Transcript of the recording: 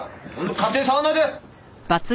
勝手に触らないで。